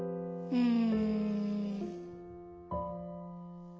うん。